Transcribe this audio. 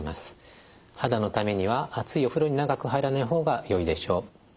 肌のためには熱いお風呂に長く入らない方がよいでしょう。